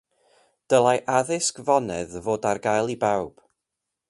Dylai addysg fonedd fod ar gael i bawb.